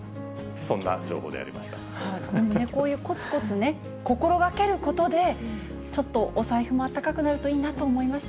確かにね、こういうこつこつね、心がけることで、ちょっとお財布もあったかくなるといいなと思いました。